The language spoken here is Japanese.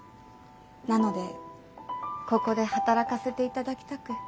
なのでここで働かせていただきたく。